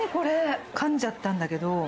かんじゃったんだけど。